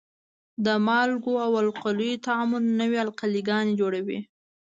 د مالګو او القلیو تعامل نوې القلي ګانې جوړوي.